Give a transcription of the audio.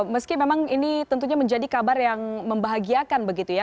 meski memang ini tentunya menjadi kabar yang membahagiakan begitu ya